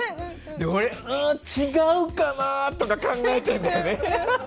俺、違うかな？とか考えてるんだよね。